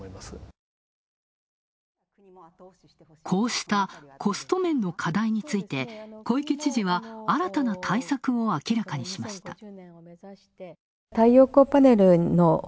こうしたコスト面の課題について小池知事は新たな対策を明らかにしました。